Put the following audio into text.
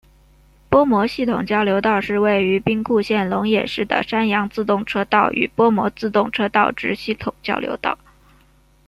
播磨系统交流道是位于兵库县龙野市的山阳自动车道与播磨自动车道之系统交流道。